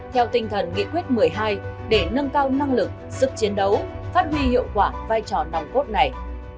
theo tinh thần nghị quyết một mươi hai để nâng cao năng lực sức chiến đấu phát huy hiệu quả vai trò nòng cốt này